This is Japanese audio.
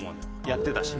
やってたし。